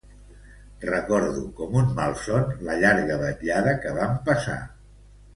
Recordo com un malson la llarga vetllada que vam passar